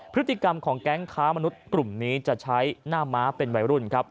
พฤติกรรมของแก๊งค้ามนุษย์กลุ่มนี้จะใช้หน้าม้าเป็นวัยรุ่นครับ